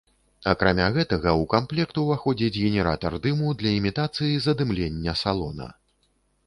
Акрамя гэтага ў камплект уваходзіць генератар дыму для імітацыі задымлення салона.